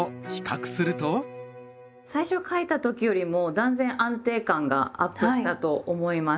最初書いた時よりも断然安定感がアップしたと思います。